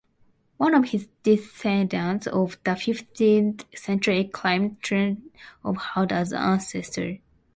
One of his descendants of the fifteenth century claimed Tancred of Hauteville as ancestor.